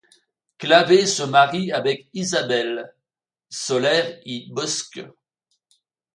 Clavé se marie avec Isabel Soler i Bosc.